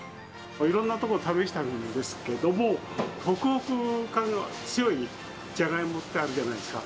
いろんなところを試したんですけれども、ほくほく感が強いジャガイモってあるじゃないですか。